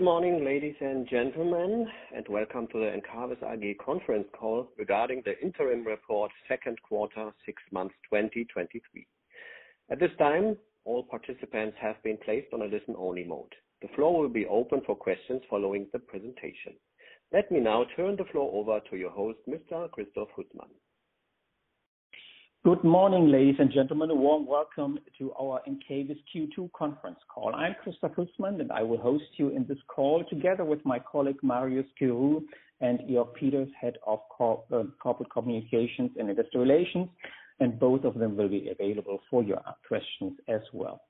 Good morning, ladies and gentlemen, welcome to the Encavis AG conference call regarding the interim report second quarter, 6 months, 2023. At this time, all participants have been placed on a listen-only mode. The floor will be open for questions following the presentation. Let me now turn the floor over to your host, Mr. Christoph Husmann. Good morning, ladies and gentlemen. A warm welcome to our Encavis Q2 conference call. I'm Christoph Husmann, I will host you in this call, together with my colleague, Mario Schirru, Joerg Peters, Head of Corporate Communications and Investor Relations, both of them will be available for your questions as well.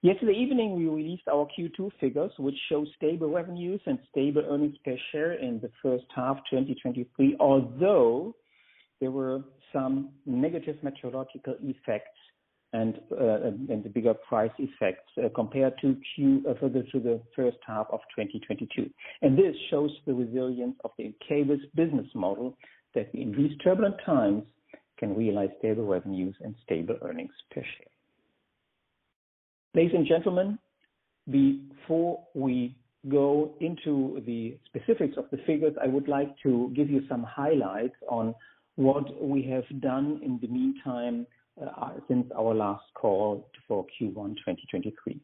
Yesterday evening, we released our Q2 figures, which show stable revenues and stable earnings per share in the first half 2023, although there were some negative meteorological effects and the bigger price effects compared to the first half of 2022. This shows the resilience of the Encavis business model, that in these turbulent times can realize stable revenues and stable earnings per share. Ladies and gentlemen, before we go into the specifics of the figures, I would like to give you some highlights on what we have done in the meantime, since our last call for Q1 2023.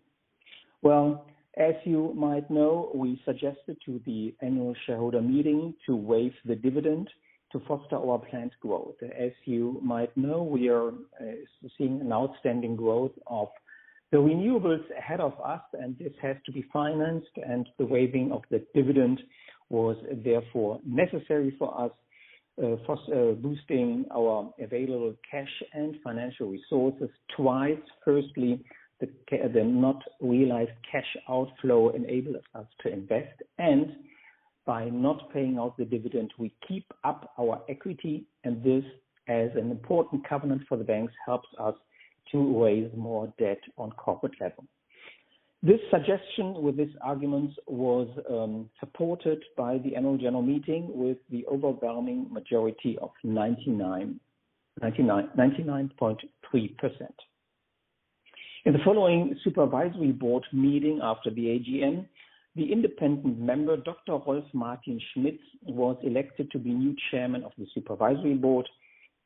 Well, as you might know, we suggested to the annual shareholder meeting to waive the dividend to foster our planned growth. As you might know, we are seeing an outstanding growth of the renewables ahead of us, and this has to be financed, and the waiving of the dividend was therefore necessary for us for boosting our available cash and financial resources twice. Firstly, the not realized cash outflow enables us to invest, and by not paying out the dividend, we keep up our equity, and this, as an important covenant for the banks, helps us to raise more debt on corporate level. This suggestion with these arguments was supported by the annual general meeting, with the overwhelming majority of 99.3%. In the following supervisory board meeting after the AGM, the independent member, Dr. Rolf Martin Schmitz, was elected to be new chairman of the supervisory board.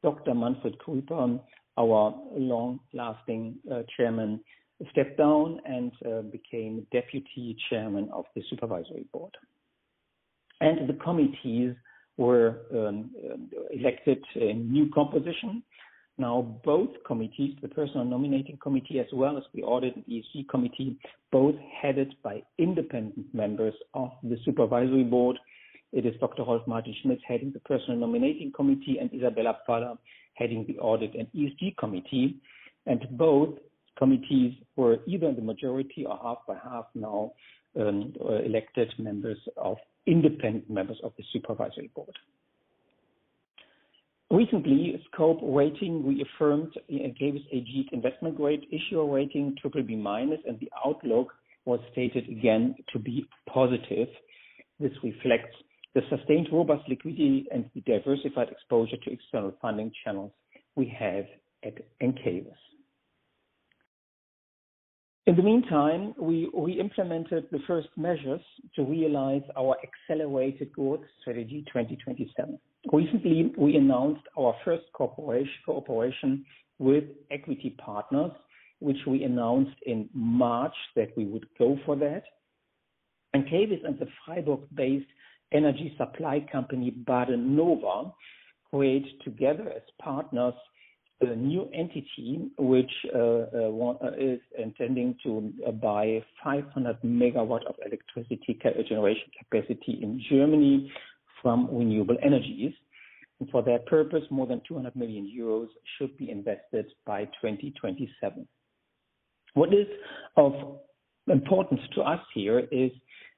Dr. Manfred Krueper, our long-lasting chairman, stepped down and became deputy chairman of the supervisory board. The committees were elected a new composition. Now, both committees, the personal nominating committee, as well as the audit and EC committee, both headed by independent members of the supervisory board. It is Dr. Rolf Martin Schmitz, heading the personal nominating committee, and Isabella Faller heading the audit and EC committee. Both committees were either the majority or half by half now, independent members of the supervisory board. Recently, Scope Ratings reaffirmed Encavis AG investment grade issuer rating BBB-, the outlook was stated again to be positive. This reflects the sustained robust liquidity and the diversified exposure to external funding channels we have at Encavis. In the meantime, we, we implemented the first measures to realize our accelerated growth strategy, 2027. Recently, we announced our first cooperation, cooperation with equity partners, which we announced in March that we would go for that. Encavis and the Freiburg-based energy supply company, Badenova, create together as partners, a new entity, which is intending to buy 500 MW of electricity generation capacity in Germany from renewable energies. For that purpose, more than 200 million euros should be invested by 2027. What is of importance to us here is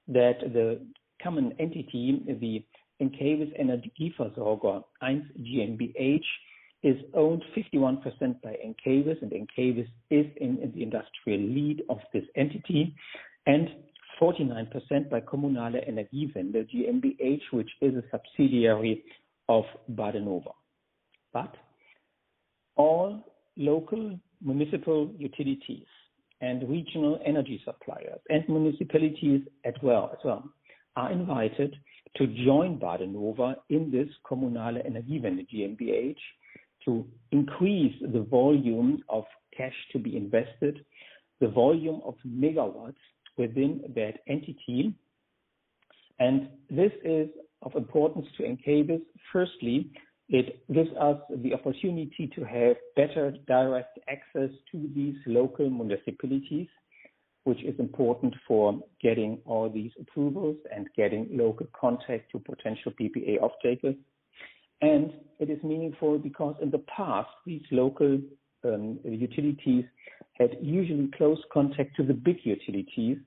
that the common entity, the ENCAVIS Energieversorger I GmbH, is owned 51% by Encavis, and Encavis is in, the industrial lead of this entity, and 49% by Kommunale Energie vendor GMBH, which is a subsidiary of badenova AG & Co. KG. All local municipal utilities and regional energy suppliers and municipalities as well, as well, are invited to join badenova AG & Co. KG in this Kommunale Energie vendor GMBH, to increase the volume of cash to be invested, the volume of megawatts within that entity. This is of importance to Encavis. Firstly, it gives us the opportunity to have better direct access to these local municipalities, which is important for getting all these approvals and getting local contact to potential PPA off-takers. It is meaningful because in the past, these local utilities had usually close contact to the big utilities,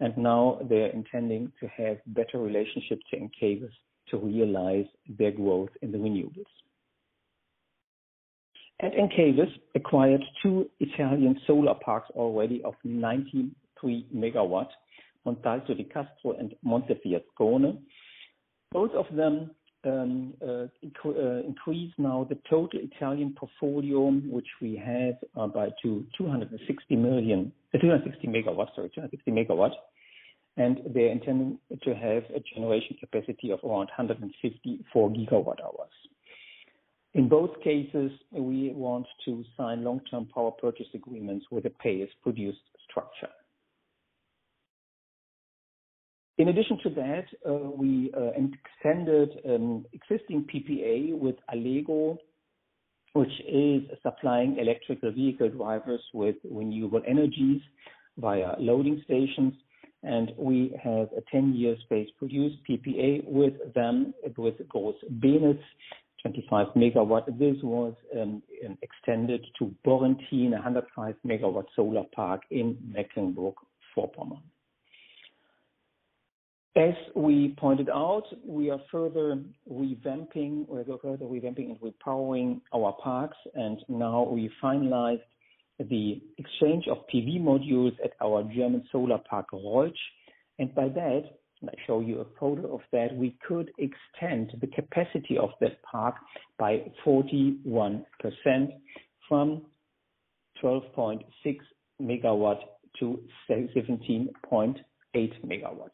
and now they are intending to have better relationships to Encavis to realize their growth in the renewables. At Encavis, acquired 2 Italian solar parks already of 93 megawatts, Montalto di Castro and Montefiascone. Both of them increase now the total Italian portfolio, which we have by 260 megawatts, and they intend to have a generation capacity of around 154 gigawatt hours. In both cases, we want to sign long-term power purchase agreements with a pay-as-produced structure. In addition to that, we extended existing PPA with Allego, which is supplying electrical vehicle drivers with renewable energies via loading stations, and we have a 10-year space produced PPA with them, with goals Venus, 25 MW. This was extended to Borrentin, a 105 MW solar park in Mecklenburg-Vorpommern. As we pointed out, we are further revamping, or go further revamping and repowering our parks, and now we finalized the exchange of PV modules at our German solar park, Walch. By that, let me show you a photo of that, we could extend the capacity of that park by 41% from 12.6 MW to 17.8 MW.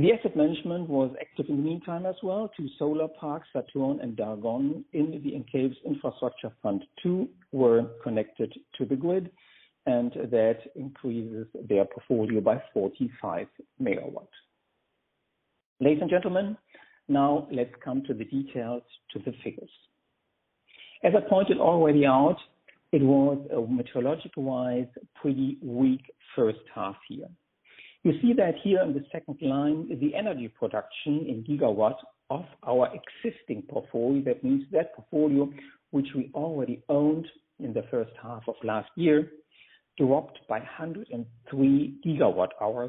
The asset management was active in the meantime as well, two solar parks, Saturn and Dagon, in the Encavis Infrastructure Fund II were connected to the grid, and that increases their portfolio by 45 MW. Ladies and gentlemen, now let's come to the details, to the figures. As I pointed already out, it was a meteorological-wise, pretty weak first half year. You see that here in the second line, the energy production in gigawatts of our existing portfolio. That means that portfolio, which we already owned in the first half of last year, dropped by 103 GWh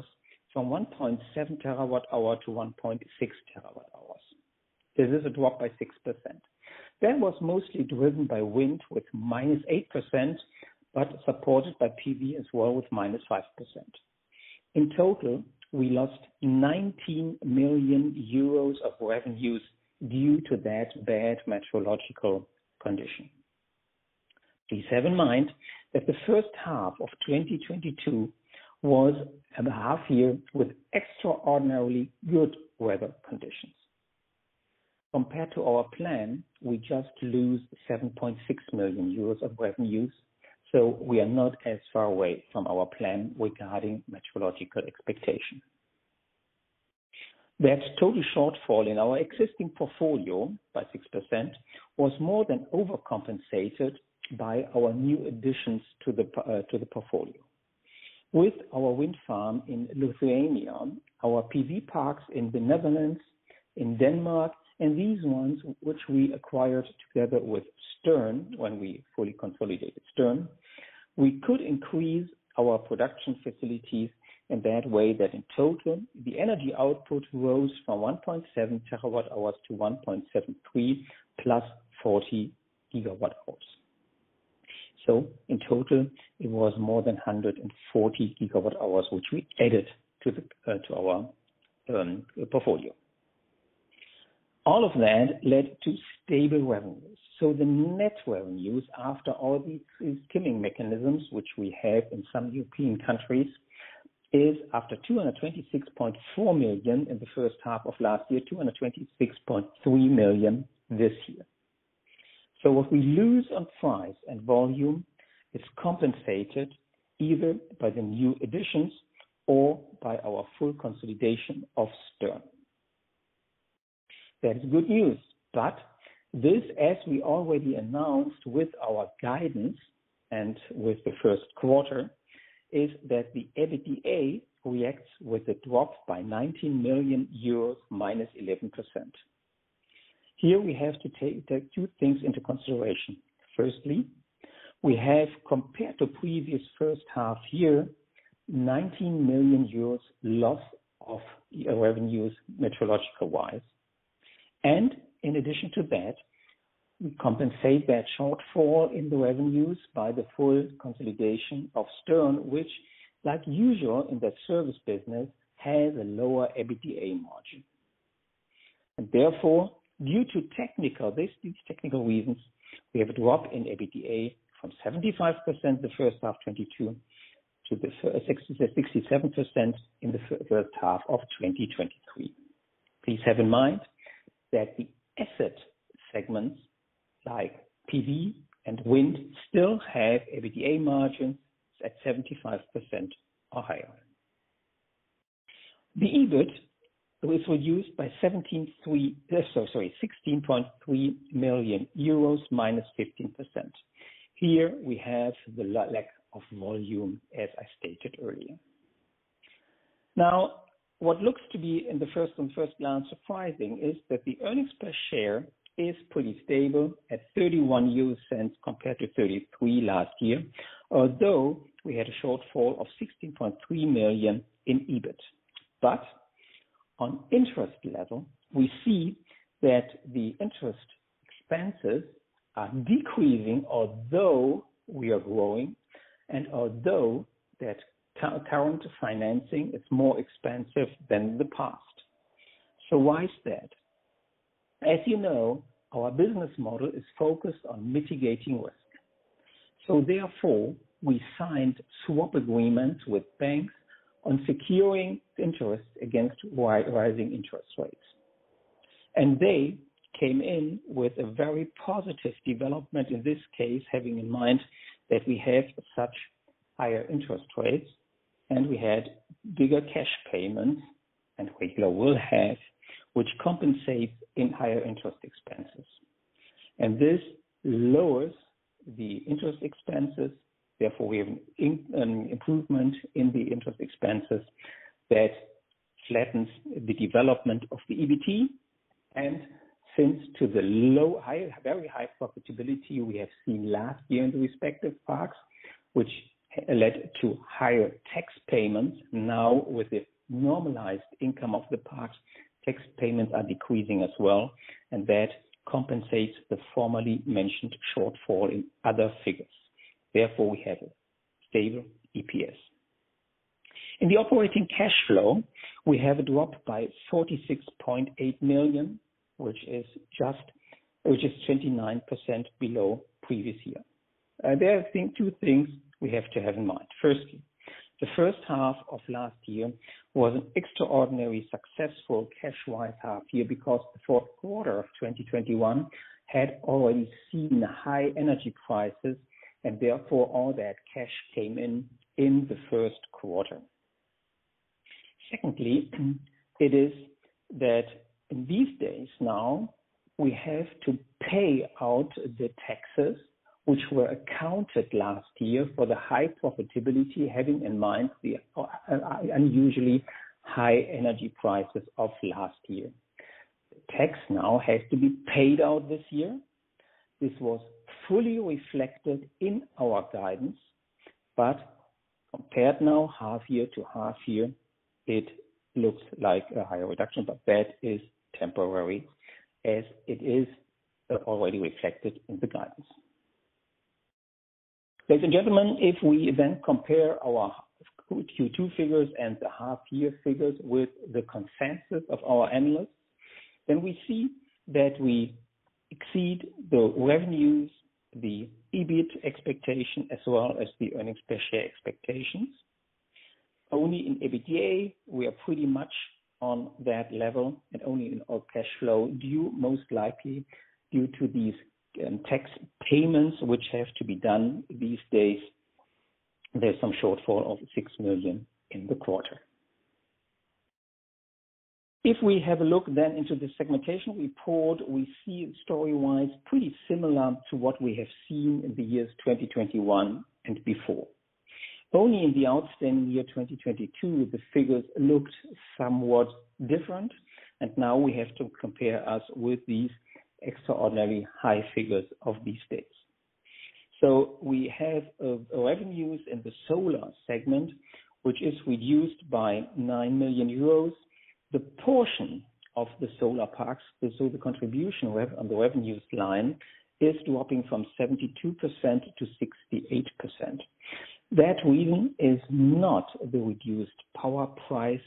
from 1.7 TWh to 1.6 TWh. This is a drop by 6%. That was mostly driven by wind with -8%, supported by PV as well, with -5%. In total, we lost 19 million euros of revenues due to that bad meteorological condition. Please have in mind that the first half of 2022 was a half year with extraordinarily good weather conditions. Compared to our plan, we just lose 7.6 million euros of revenues, so we are not as far away from our plan regarding meteorological expectation. That total shortfall in our existing portfolio by 6% was more than overcompensated by our new additions to the portfolio. With our wind farm in Lithuania, our PV parks in the Netherlands, in Denmark, and these ones, which we acquired together with Stern, when we fully consolidated Stern, we could increase our production facilities in that way that in total, the energy output rose from 1.7 terawatt hours to 1.73, + 40 gigawatt hours. In total, it was more than 140 gigawatt hours, which we added to the portfolio. All of that led to stable revenues. The net revenues, after all the trimming mechanisms, which we have in some European countries, is after 226.4 million in the first half of last year, 226.3 million this year. What we lose on price and volume is compensated either by the new additions or by our full consolidation of Stern. That is good news. This, as we already announced with our guidance and with the first quarter, is that the EBITDA reacts with a drop by 19 million euros, minus 11%. Here we have to take two things into consideration. Firstly, we have, compared to previous first half-year, 19 million euros loss of revenues, metrological-wise. In addition to that, we compensate that shortfall in the revenues by the full consolidation of Stern, which like usual in the service business, has a lower EBITDA margin. Therefore, due to technical, these technical reasons, we have a drop in EBITDA from 75%, the first half 2022 to 67% in the first half of 2023. Please have in mind that the asset segments like PV and wind still have EBITDA margins at 75% or higher. The EBIT was reduced by EUR 16.3 million, -15%. Here we have the lack of volume, as I stated earlier. Now, what looks to be in the first and first glance surprising, is that the earnings per share is pretty stable at 0.31 compared to 0.33 last year. Although we had a shortfall of 16.3 million in EBIT. On interest level, we see that the interest expenses are decreasing although we are growing, and although that current financing is more expensive than the past. Why is that? As you know, our business model is focused on mitigating risk. Therefore, we signed swap agreements with banks on securing interest against wide rising interest rates. They came in with a very positive development in this case, having in mind that we have such higher interest rates, and we had bigger cash payments, and regular will have, which compensate in higher interest expenses. This lowers the interest expenses, therefore, we have an improvement in the interest expenses that flattens the development of the EBT. Since to the low, high, very high profitability we have seen last year in the respective parks, which led to higher tax payments, now with the normalized income of the parks, tax payments are decreasing as well, and that compensates the formerly mentioned shortfall in other figures. Therefore, we have stable EPS. In the operating cash flow, we have a drop by 46.8 million, which is 29% below previous year. There are two things we have to have in mind. Firstly, the first half of last year was an extraordinary successful cash-wise half year, because the fourth quarter of 2021 had already seen high energy prices, and therefore, all that cash came in, in the first quarter. Secondly, it is that in these days now, we have to pay out the taxes, which were accounted last year for the high profitability, having in mind the unusually high energy prices of last year. Tax now has to be paid out this year. This was fully reflected in our guidance, but compared now, half year to half year, it looks like a higher reduction, but that is temporary, as it is already reflected in the guidance. Ladies and gentlemen, if we then compare our Q2 figures and the half year figures with the consensus of our analysts, we see that we exceed the revenues, the EBIT expectation, as well as the earnings per share expectations. Only in EBITDA, we are pretty much on that level and only in our cash flow, due most likely due to these tax payments, which have to be done these days. There's some shortfall of 6 million in the quarter. If we have a look then into the segmentation report, we see story-wise, pretty similar to what we have seen in the years 2021 and before. Only in the outstanding year, 2022, the figures looked somewhat different, and now we have to compare us with these extraordinary high figures of these days. We have revenues in the solar segment, which is reduced by 9 million euros. The portion of the solar parks, the solar contribution on the revenues line, is dropping from 72%-68%. That reason is not the reduced power price,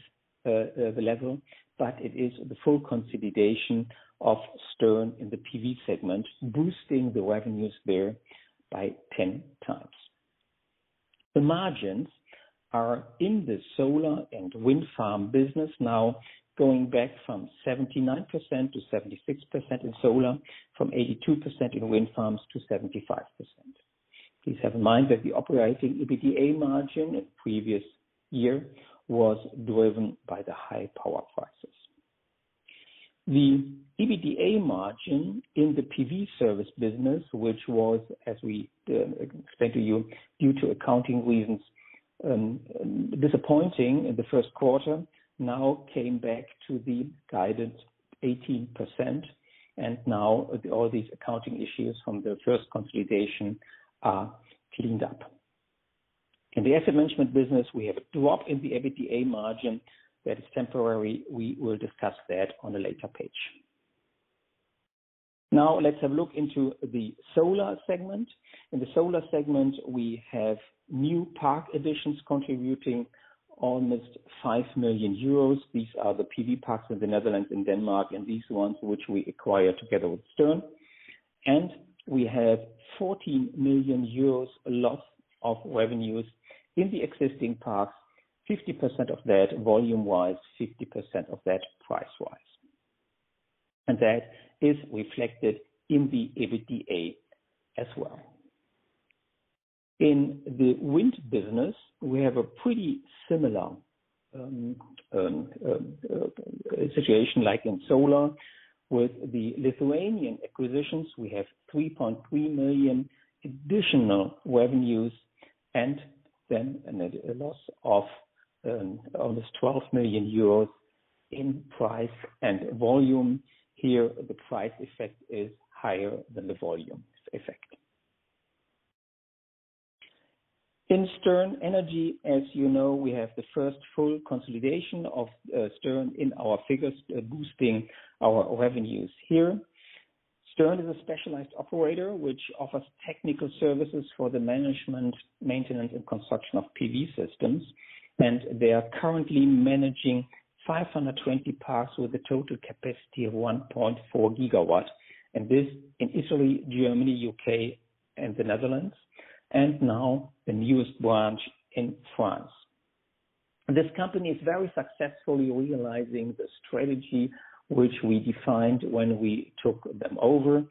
the level, but it is the full consolidation of Stern in the PV segment, boosting the revenues there by 10 times. The margins are in the solar and wind farm business now, going back from 79%-76% in solar, from 82%-75% in wind farms. Please have in mind that the operating EBITDA margin in previous year was driven by the high power prices. The EBITDA margin in the PV service business, which was, as we explained to you, due to accounting reasons, disappointing in the first quarter, now came back to the guided 18%. Now all these accounting issues from the first consolidation are cleaned up. In the asset management business, we have a drop in the EBITDA margin that is temporary. We will discuss that on a later page. Now, let's have a look into the solar segment. In the solar segment, we have new park additions contributing almost 5 million euros. These are the PV parks in the Netherlands and Denmark. These ones, which we acquired together with Stern. We have 14 million euros, a lot of revenues in the existing parks, 50% of that volume-wise, 50% of that price-wise. That is reflected in the EBITDA as well. In the wind business, we have a pretty similar situation like in solar. With the Lithuanian acquisitions, we have 3.3 million additional revenues, and then a loss of almost 12 million euros in price and volume. Here, the price effect is higher than the volume effect.... In Stern Energy, as you know, we have the first full consolidation of Stern in our figures, boosting our revenues here. Stern is a specialized operator, which offers technical services for the management, maintenance, and construction of PV systems, and they are currently managing 520 parks with a total capacity of 1.4 gigawatts, and this in Italy, Germany, UK, and the Netherlands, and now the newest branch in France. This company is very successfully realizing the strategy which we defined when we took them over.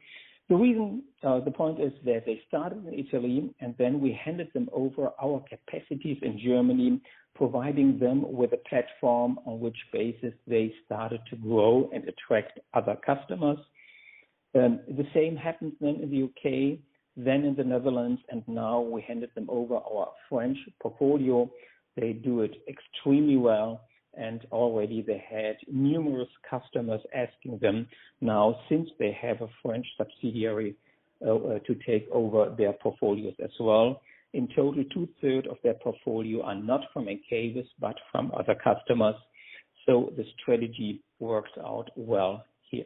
The reason, the point is that they started in Italy, and then we handed them over our capacities in Germany, providing them with a platform on which basis they started to grow and attract other customers. The same happened then in the UK, then in the Netherlands, and now we handed them over our French portfolio. They do it extremely well, and already they had numerous customers asking them, now, since they have a French subsidiary, to take over their portfolios as well. In total, two-third of their portfolio are not from ENGIE, but from other customers, the strategy works out well here.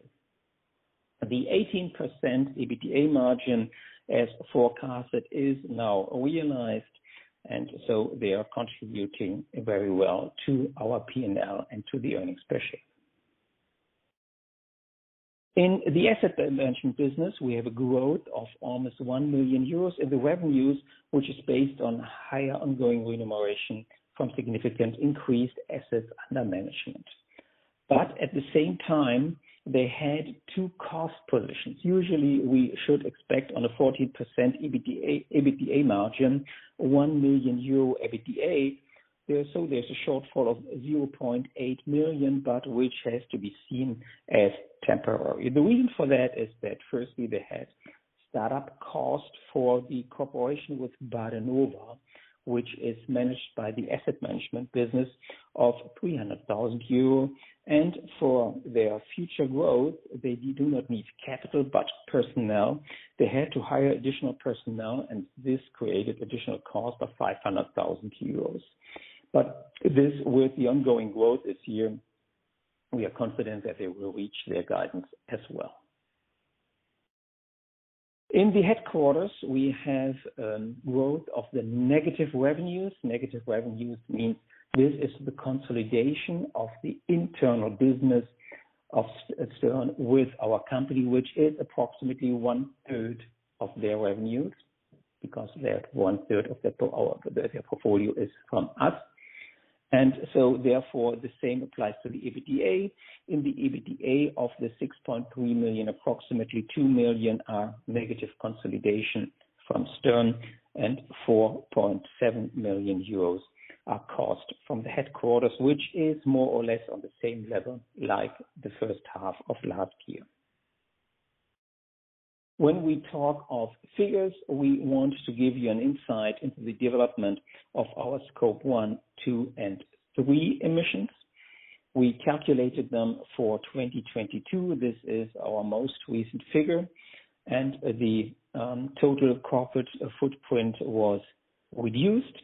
The 18% EBITDA margin, as forecasted, is now realized, they are contributing very well to our P&L and to the earnings per share. In the asset management business, we have a growth of almost 1 million euros in the revenues, which is based on higher ongoing remuneration from significant increased assets under management. At the same time, they had two cost provisions. Usually, we should expect on a 14% EBITDA margin, 1 million euro EBITDA. There's a shortfall of 0.8 million, which has to be seen as temporary. The reason for that is that firstly, they had startup cost for the cooperation with badenova, which is managed by the asset management business of 300,000 euro. For their future growth, they do not need capital, but personnel. They had to hire additional personnel, and this created additional cost of 500,000 euros. This, with the ongoing growth this year, we are confident that they will reach their guidance as well. In the headquarters, we have growth of the negative revenues. Negative revenues mean this is the consolidation of the internal business of Stern with our company, which is approximately one third of their revenues, because they're one third of our, their portfolio is from us. So therefore, the same applies to the EBITDA. In the EBITDA of 6.3 million, approximately 2 million are negative consolidation from Stern, and 4.7 million euros are cost from the headquarters, which is more or less on the same level, like the first half of last year. When we talk of figures, we want to give you an insight into the development of our Scope 1, 2, and 3 emissions. We calculated them for 2022. This is our most recent figure, the total corporate footprint was reduced.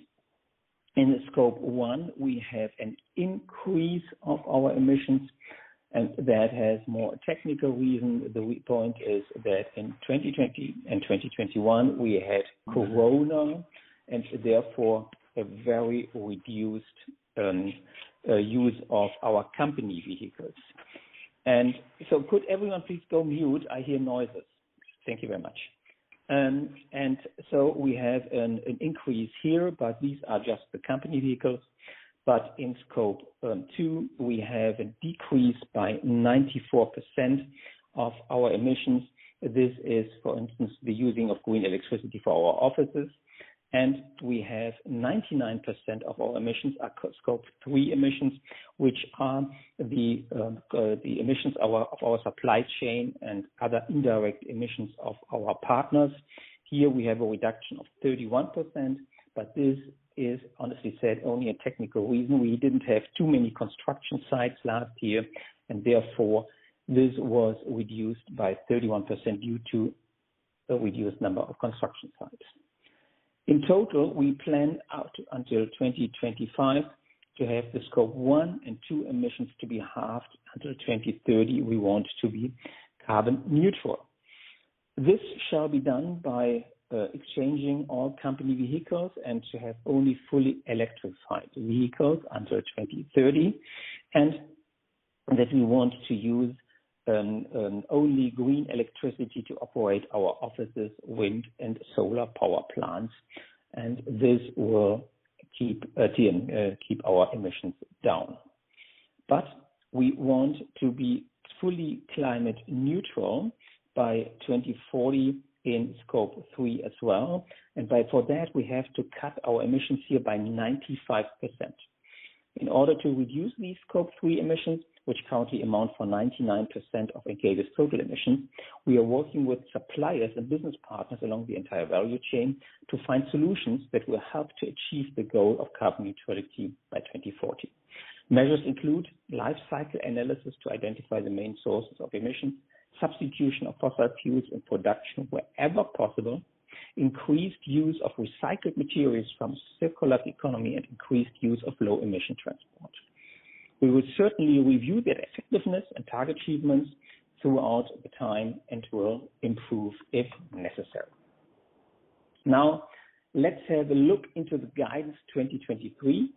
In the Scope 1, we have an increase of our emissions, that has more technical reason. The weak point is that in 2020 and 2021, we had COVID, therefore a very reduced use of our company vehicles. So could everyone please go mute? I hear noises. Thank you very much. We have an increase here, but these are just the company vehicles. In Scope 2, we have a decrease by 94% of our emissions. This is, for instance, the using of green electricity for our offices, and we have 99% of our emissions are Scope 3 emissions, which are the emissions of our supply chain and other indirect emissions of our partners. Here we have a reduction of 31%, but this is honestly said, only a technical reason. We didn't have too many construction sites last year, this was reduced by 31% due to the reduced number of construction sites. In total, we plan out until 2025 to have the Scope 1 and 2 emissions to be halved. Under 2030, we want to be carbon neutral. This shall be done by exchanging all company vehicles and to have only fully electrified vehicles under 2030, and that we want to use only green electricity to operate our offices, wind and solar power plants, and this will keep our emissions down. We want to be fully climate neutral by 2040 in Scope 3 as well, and for that, we have to cut our emissions here by 95%. In order to reduce these Scope 3 emissions, which currently amount for 99% of ENGIE's total emissions, we are working with suppliers and business partners along the entire value chain to find solutions that will help to achieve the goal of carbon neutrality by 2040. Measures include life cycle analysis to identify the main sources of emission, substitution of fossil fuels and production wherever possible, increased use of recycled materials from circular economy, and increased use of low emission transport. We will certainly review their effectiveness and target achievements throughout the time and will improve if necessary. Now, let's have a look into the guidance 2023.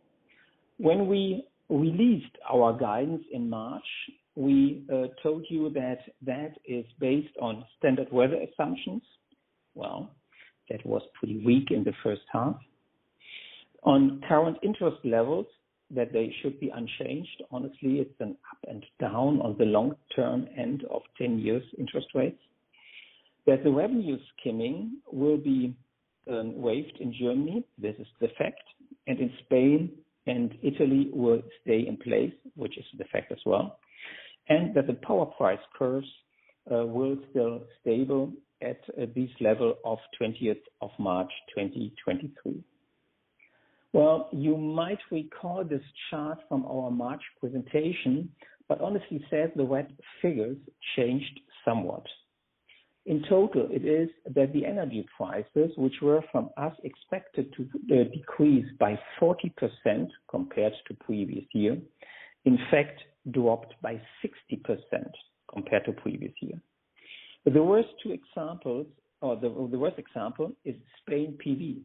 When we released our guidance in March, we told you that that is based on standard weather assumptions. Well, that was pretty weak in the first half. On current interest levels, that they should be unchanged. Honestly, it's an up and down on the long term and of 10 years interest rates, that the revenue skimming will be waived in Germany. This is the fact. In Spain and Italy will stay in place, which is the fact as well. That the power price curves will still stable at this level of 20th of March, 2023. Well, you might recall this chart from our March presentation. Honestly said, the red figures changed somewhat. In total, it is that the energy prices, which were from us, expected to decrease by 40% compared to previous year, in fact, dropped by 60% compared to previous year. The worst two examples or the, the worst example is Spain PV.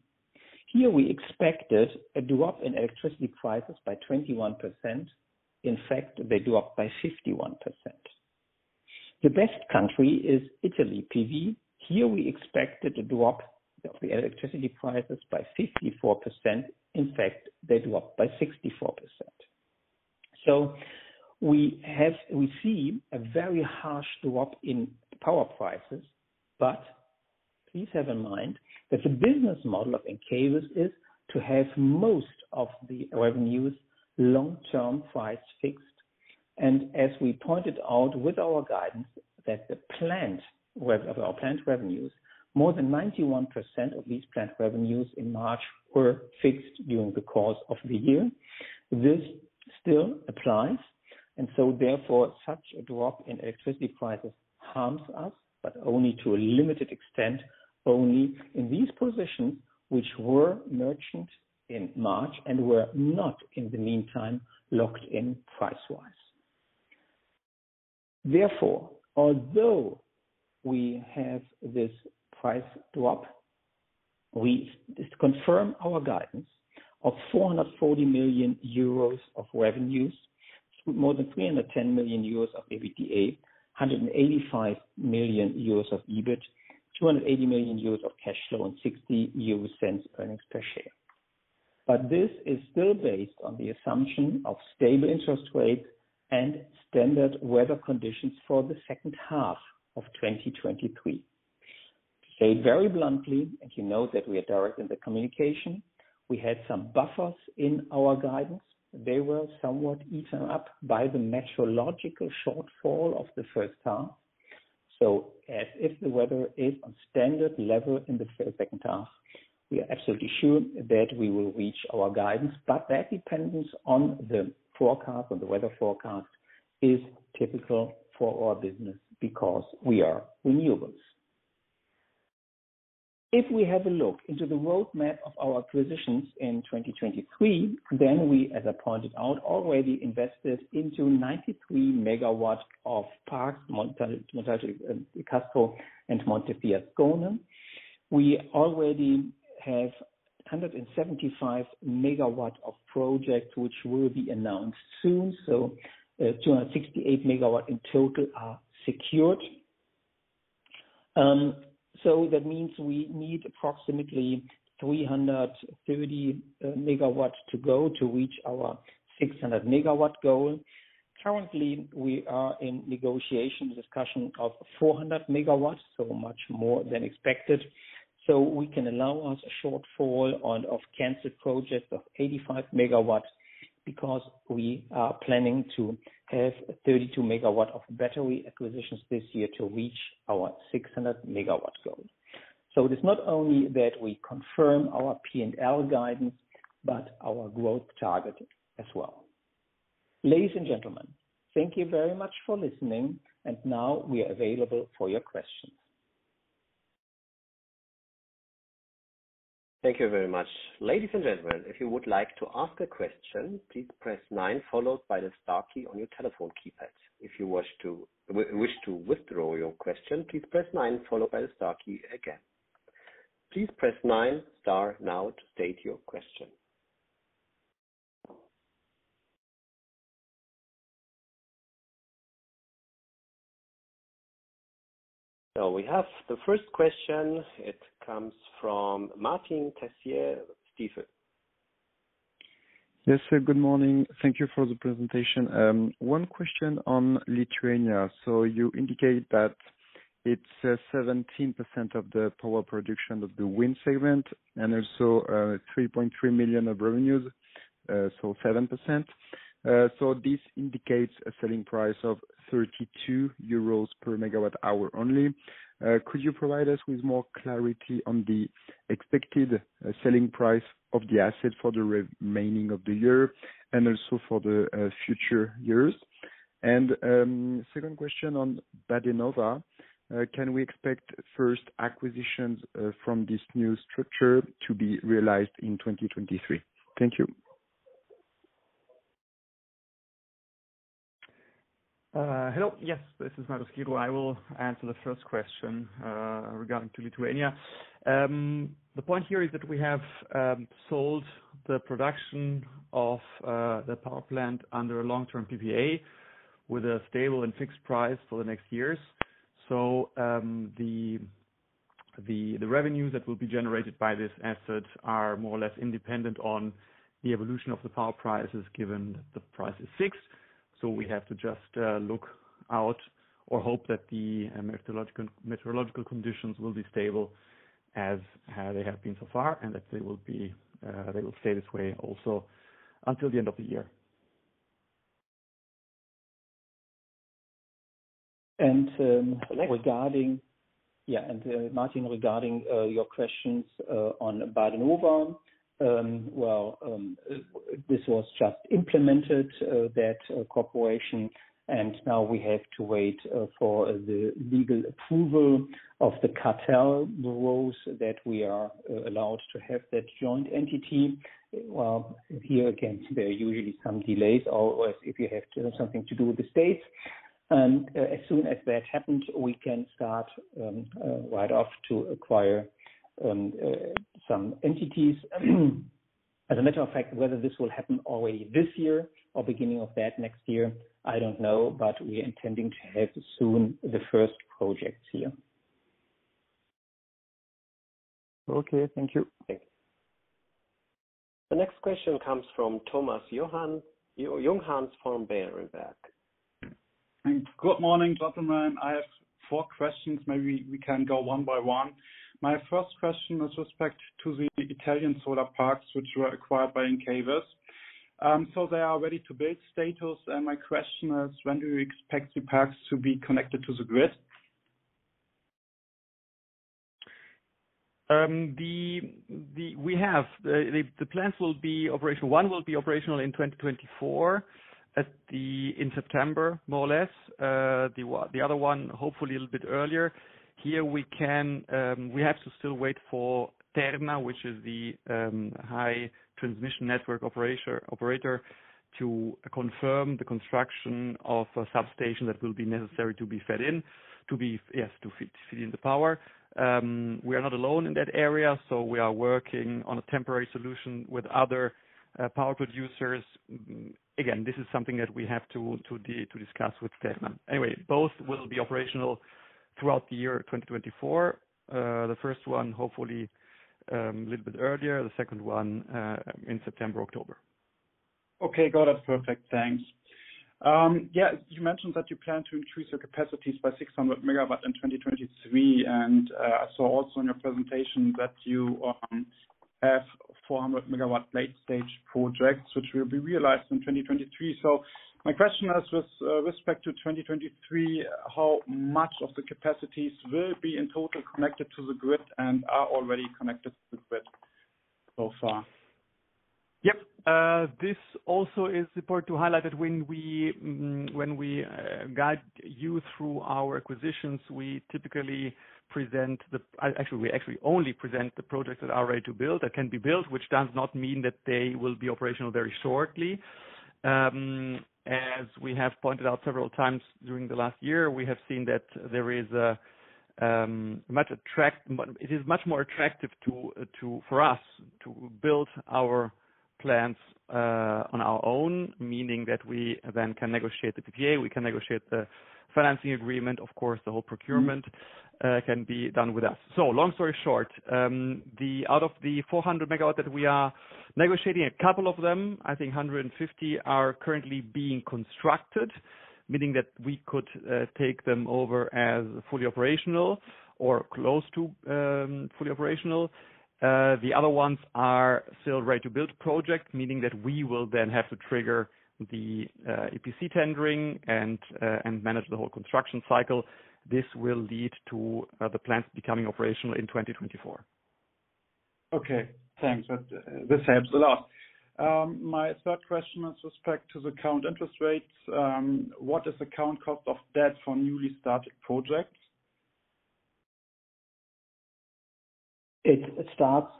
Here we expected a drop in electricity prices by 21%. In fact, they dropped by 51%. The best country is Italy PV. Here we expected a drop of the electricity prices by 54%. In fact, they dropped by 64%. We see a very harsh drop in power prices. Please have in mind that the business model of Encavis is to have most of the revenues, long-term price fixed. As we pointed out with our guidance, that the planned, of our planned revenues, more than 91% of these planned revenues in March were fixed during the course of the year. This still applies, therefore, such a drop in electricity prices harms us, but only to a limited extent, only in these positions, which were merchant in March and were not in the meantime, locked in price wise. Although we have this price drop, we confirm our guidance of 440 million euros of revenues, more than 310 million euros of EBITDA, 185 million euros of EBIT, 280 million euros of cash flow, and 0.60 earnings per share. This is still based on the assumption of stable interest rates and standard weather conditions for the second half of 2023. Said very bluntly, and you know that we are direct in the communication. We had some buffers in our guidance. They were somewhat eaten up by the metrological shortfall of the first half. As if the weather is on standard level in the second half, we are absolutely sure that we will reach our guidance. That dependence on the forecast, on the weather forecast, is typical for our business because we are renewables. If we have a look into the roadmap of our acquisitions in 2023, we, as I pointed out, already invested into 93 MW of parks, Montale, Montale, Casco and Montefiascone. We already have 175 MW of project, which will be announced soon. 268 MW in total are secured. That means we need approximately 330 MW to go to reach our 600 MW goal. Currently, we are in negotiation discussion of 400 MW, so much more than expected. We can allow us a shortfall on, of cancer projects of 85 MW, because we are planning to have 32 MW of battery acquisitions this year to reach our 600 MW goal. It is not only that we confirm our P&L guidance, but our growth target as well. Ladies and gentlemen, thank you very much for listening, and now we are available for your questions. Thank you very much. Ladies and gentlemen, if you would like to ask a question, please press 9, followed by the star key on your telephone keypad. If you wish to withdraw your question, please press 9, followed by the star key again. Please press 9 star now to state your question. We have the first question. It comes from Martin Tessier, Stifel. Yes, sir. Good morning. Thank you for the presentation. One question on Lithuania. You indicate that it's 17% of the power production of the wind segment and also 3.3 million of revenues, so 7%. This indicates a selling price of 32 euros per MWh only. Could you provide us with more clarity on the expected selling price of the asset for the remaining of the year and also for the future years? Second question on badenova. Can we expect first acquisitions from this new structure to be realized in 2023? Thank you. Hello. Yes, this is Mario Schirru. I will answer the first question regarding to Lithuania. The point here is that we have sold the production of the power plant under a long-term PPA, with a stable and fixed price for the next years. The revenues that will be generated by this asset are more or less independent on the evolution of the power prices, given the price is fixed. We have to just look out or hope that the meteorological, meteorological conditions will be stable as they have been so far, and that they will be, they will stay this way also until the end of the year. Yeah, and Martin, regarding your questions on Badenova. Well, this was just implemented, that cooperation, and now we have to wait for the legal approval of the cartel, the rules that we are allowed to have that joint entity. Well, here again, there are usually some delays, or if you have to have something to do with the states, and as soon as that happens, we can start right off to acquire some entities. As a matter of fact, whether this will happen already this year or beginning of that next year, I don't know, but we are intending to have soon the first projects here. Okay, thank you. Thanks. The next question comes from Thomas Junghanns from Berenberg. Thanks. Good morning, gentlemen. I have 4 questions. Maybe we can go one by one. My first question with respect to the Italian solar parks, which were acquired by Encavis. So they are ready to build status, my question is: When do you expect the parks to be connected to the grid? The, the, we have, the, the, the plants will be operational. One will be operational in 2024, at the, in September, more or less. The other one, hopefully, a little bit earlier. Here we can, we have to still wait for Terna, which is the, high transmission network operator, operator, to confirm the construction of a substation that will be necessary to be fed in, to be, yes, to feed, feed in the power. We are not alone in that area, so we are working on a temporary solution with other, power producers. Again, this is something that we have to, to discuss with Terna. Anyway, both will be operational throughout the year, 2024. The first one, hopefully, a little bit earlier, the second one, in September, October. Okay, got it. Perfect. Thanks. Yeah, you mentioned that you plan to increase your capacities by 600 megawatt in 2023. I saw also in your presentation that you have 400 megawatt late stage projects, which will be realized in 2023. My question is with respect to 2023, how much of the capacities will be in total connected to the grid and are already connected to the grid so far? Yep. This also is important to highlight that when we, when we guide you through our acquisitions, we typically present the actually, we actually only present the projects that are ready to build, that can be built, which does not mean that they will be operational very shortly. As we have pointed out several times during the last year, we have seen that there is a much attract- but it is much more attractive to for us, to build our plants on our own, meaning that we then can negotiate the PPA, we can negotiate the financing agreement, of course, the whole procurement can be done with us. Long story short, the, out of the 400 megawatt that we are negotiating, a couple of them, I think 150, are currently being constructed, meaning that we could take them over as fully operational or close to fully operational. The other ones are still ready to build projects, meaning that we will then have to trigger the EPC tendering and manage the whole construction cycle. This will lead to the plants becoming operational in 2024. Okay, thanks. This helps a lot. My third question with respect to the current interest rates, what is the current cost of debt for newly started projects? It starts,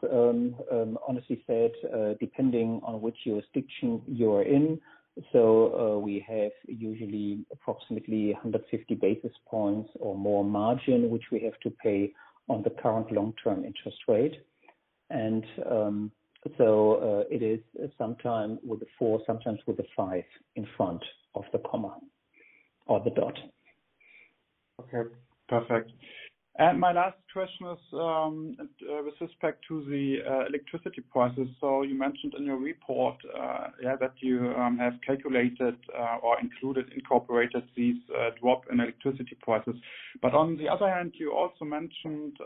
honestly said, depending on which jurisdiction you are in. We have usually approximately 150 basis points or more margin, which we have to pay on the current long-term interest rate. It is sometime with a 4, sometimes with a 5 in front of the comma or the dot. Okay, perfect. My last question is, with respect to the electricity prices. You mentioned in your report, yeah, that you have calculated, or included, incorporated these drop in electricity prices. On the other hand, you also mentioned,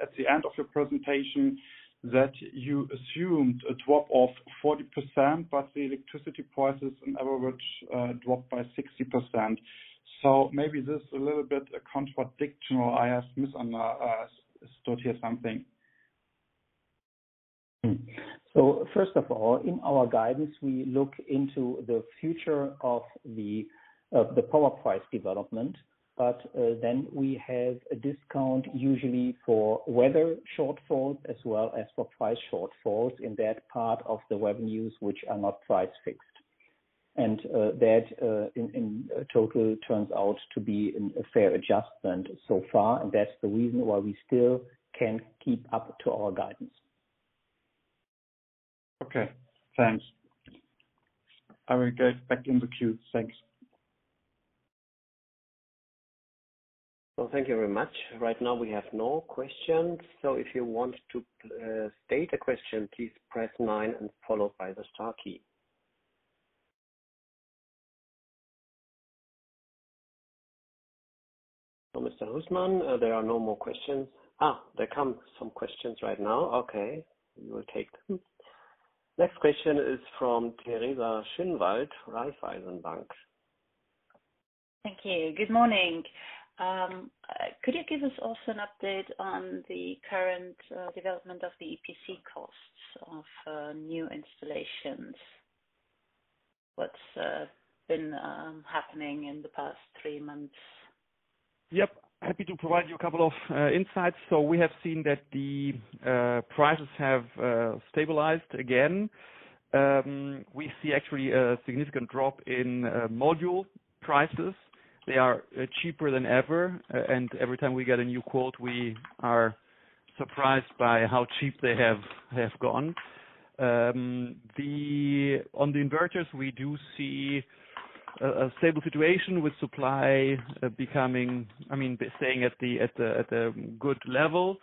at the end of your presentation, that you assumed a drop of 40%, but the electricity prices on average, dropped by 60%. Maybe this a little bit contradictional. I have misunderstood here something?... First of all, in our guidance, we look into the future of the, of the power price development. Then we have a discount, usually for weather shortfalls as well as for price shortfalls in that part of the revenues, which are not price fixed. That in total turns out to be a fair adjustment so far, and that's the reason why we still can keep up to our guidance. Okay, thanks. I will go back in the queue. Thanks. Well, thank you very much. Right now we have no questions. If you want to state a question, please press 9 and followed by the star key. Mr. Husmann, there are no more questions. Ah, there come some questions right now. Okay, we will take them. Next question is from Teresa Schinwald, Raiffeisen Bank. Thank you. Good morning. Could you give us also an update on the current development of the EPC costs of new installations? What's been happening in the past 3 months? Yep. Happy to provide you a couple of insights. We have seen that the prices have stabilized again. We see actually a significant drop in module prices. They are cheaper than ever, and every time we get a new quote, we are surprised by how cheap they have gone. On the inverters, we do see a stable situation with supply becoming, I mean, staying at the, at a good level.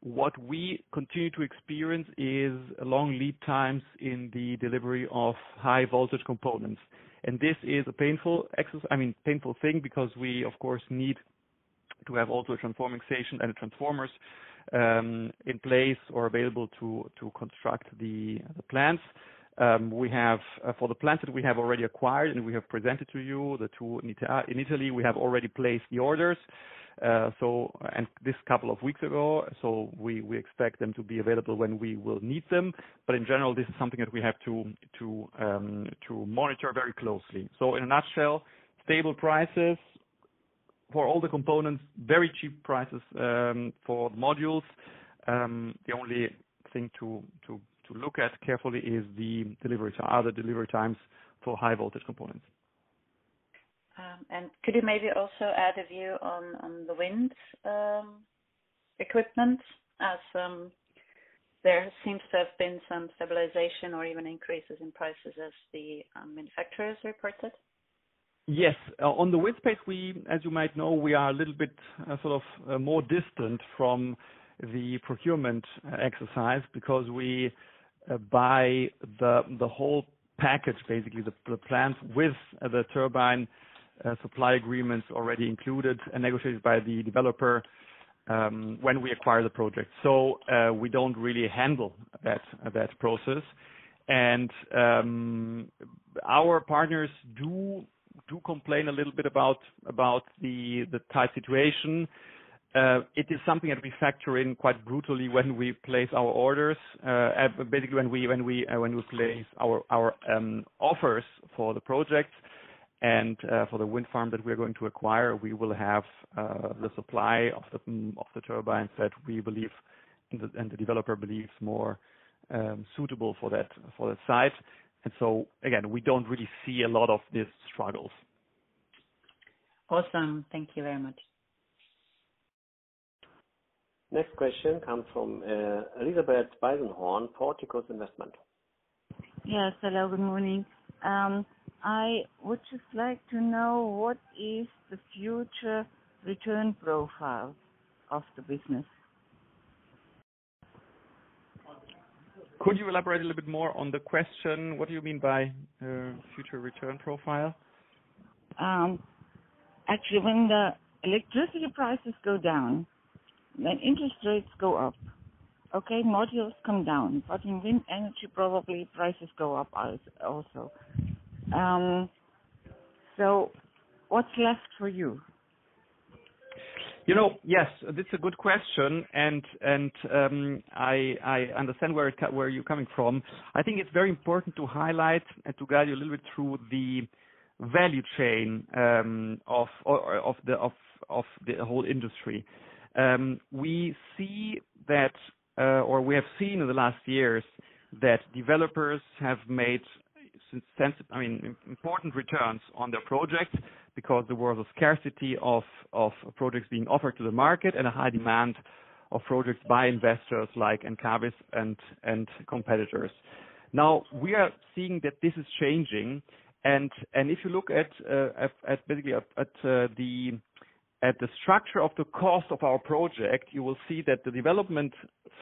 What we continue to experience is long lead times in the delivery of high voltage components, and this is a painful, I mean, painful thing, because we, of course, need to have also a transforming station and transformers in place or available to construct the plants. We have, for the plants that we have already acquired and we have presented to you, the two in Italia, in Italy, we have already placed the orders. This couple of weeks ago, so we, we expect them to be available when we will need them. In general, this is something that we have to monitor very closely. In a nutshell, stable prices for all the components, very cheap prices, for modules. The only thing to look at carefully is the delivery, are the delivery times for high voltage components. Could you maybe also add a view on, on the wind, equipment, as there seems to have been some stabilization or even increases in prices as the manufacturers reported? Yes. On the wind space, we, as you might know, we are a little bit, sort of, more distant from the procurement exercise because we, buy the, the whole package, basically, the, the plants with the turbine, supply agreements already included and negotiated by the developer, when we acquire the project. We don't really handle that, that process. Our partners do, do complain a little bit about, about the, the tight situation. It is something that we factor in quite brutally when we place our orders, basically, when we, when we, when we place our, our, offers for the projects and, for the wind farm that we're going to acquire, we will have, the supply of the, of the turbines that we believe and the, and the developer believes more, suitable for that, for that site. So again, we don't really see a lot of these struggles. Awesome. Thank you very much. Next question comes from, Elisabeth Weisenhorn, Portikus Investment. Yes, hello, good morning. I would just like to know, what is the future return profile of the business? Could you elaborate a little bit more on the question? What do you mean by, future return profile? Actually, when the electricity prices go down, then interest rates go up. Okay, modules come down, but in wind energy, probably prices go up also. What's left for you? You know, yes, this is a good question, and, I, I understand where you're coming from. I think it's very important to highlight and to guide you a little bit through the value chain of the whole industry. We see that or we have seen in the last years that developers have made sense, I mean, important returns on their projects because there was a scarcity of products being offered to the market and a high demand of projects by investors like Encavis and competitors. Now, we are seeing that this is changing, and if you look at basically, at the structure of the cost of our project, you will see that the development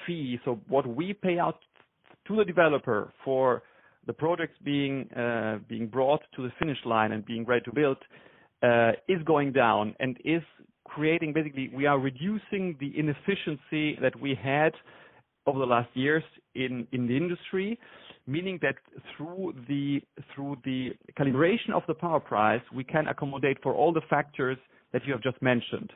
fee, so what we pay out to the developer for the projects being brought to the finish line and being ready to build, is going down and is creating. Basically, we are reducing the inefficiency that we had over the last years in the industry. Meaning that through the calibration of the power price, we can accommodate for all the factors that you have just mentioned.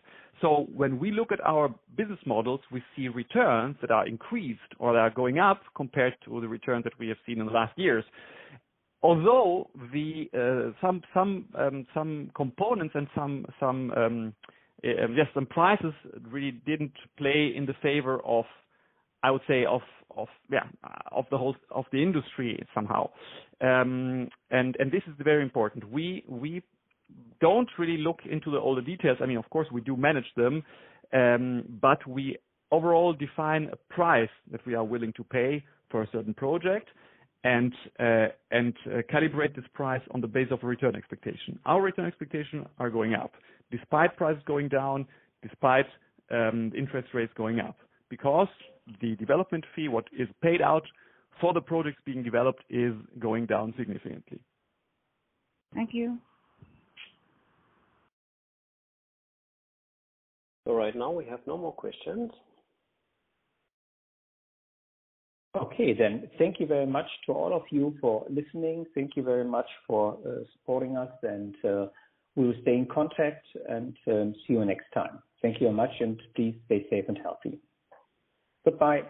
When we look at our business models, we see returns that are increased or that are going up compared to the returns that we have seen in the last years. Although the, some, some components and some, some, just some prices really didn't play in the favor of, I would say, of, of, yeah, of the whole- of the industry somehow. This is very important. We, we don't really look into all the details. I mean, of course, we do manage them, but we overall define a price that we are willing to pay for a certain project and calibrate this price on the base of a return expectation. Our return expectation are going up, despite prices going down, despite interest rates going up, because the development fee, what is paid out for the projects being developed, is going down significantly. Thank you. Right now, we have no more questions. Okay. Thank you very much to all of you for listening. Thank you very much for supporting us, and we will stay in contact and see you next time. Thank you much, and please stay safe and healthy. Goodbye.